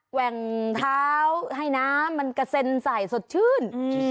ว่งเท้าให้น้ำมันกระเซ็นใส่สดชื่น